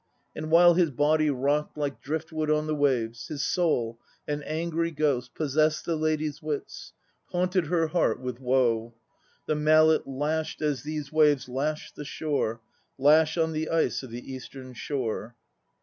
And while his body rocked Like driftwood on the waves, His soul, an angry ghost, Possessed the lady's wits, haunted her heart with woe. The mallet lashed, as these waves lash the shore, Lash on the ice of the eastern shore.